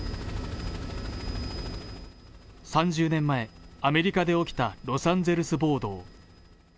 ３０年前、アメリカで起きたロサンゼルス暴動。